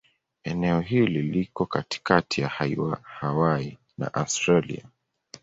Eneo hili liko katikati ya Hawaii na Australia.